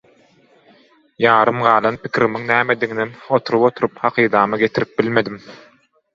Ýarym galan pikirimiň nämediginem oturup-oturup hakydama getirip bilmedim.